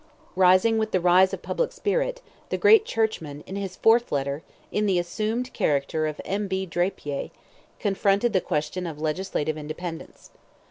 Rising with the rise of public spirit, the great churchman, in his fourth letter, in the assumed character of M. B. Drapier, confronted the question of legislative independence.